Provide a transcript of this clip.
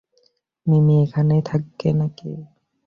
মিমি এখানেই থাকে নাকি?